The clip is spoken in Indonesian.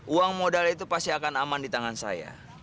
uang modal itu pasti akan aman di tangan saya